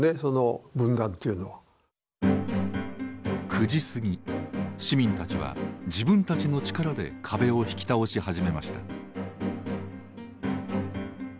９時過ぎ市民たちは自分たちの力で壁を引き倒し始めました。